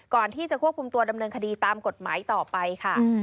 ก่อนที่จะควบคุมตัวดำเนินคดีตามกฎหมายต่อไปค่ะ